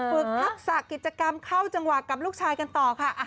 ฝึกทักษะกิจกรรมเข้าจังหวะกับลูกชายกันต่อค่ะ